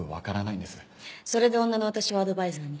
それで女の私をアドバイザーに？